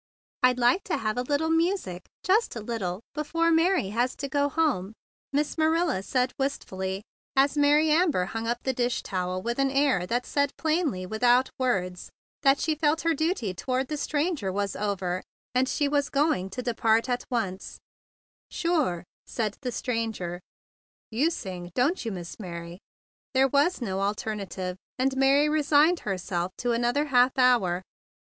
"I'd like to have a little music, just a little before Mary has to go home," Miss Marilla said wistfully as Mary Amber hung up the dish towel with an air that said plainly without words that she felt her duty toward the stranger was over and she was going to depart at once. THE BIG BLUE SOLDIER 59 "Sure!" said the stranger. "You sing, don't you, Miss Mary?" There was nothing for it, and Mary resigned herself to another half hour.